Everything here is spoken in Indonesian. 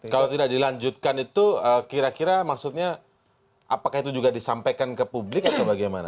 kalau tidak dilanjutkan itu kira kira maksudnya apakah itu juga disampaikan ke publik atau bagaimana